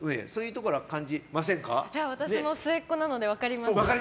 私も末っ子なので分かります。